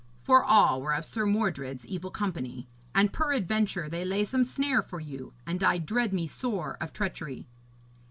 For all were of Sir Mordred's evil company, and peradventure they lay some snare for you, and I dread me sore of treachery.'